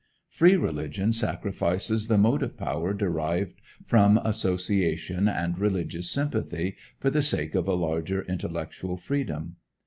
Free Religion sacrifices the motive power derived from association and religious sympathy for the sake of a larger intellectual freedom.